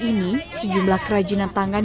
ini sejumlah kerajinan tangan